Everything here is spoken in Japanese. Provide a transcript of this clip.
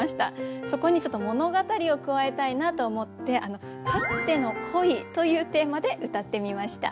そこにちょっと物語を加えたいなと思って「かつての恋」というテーマでうたってみました。